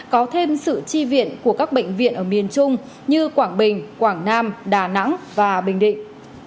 có thêm sự chi viện của các bệnh viện ở miền trung như quảng bình quảng nam đà nẵng và bình định